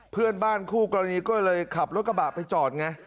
เพื่อนบ้านคู่กรณีก็เลยขับรถกระบะไปจอดไง